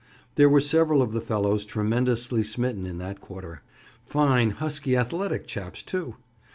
There were several of the fellows tremendously smitten in that quarter. Fine, husky athletic chaps, too!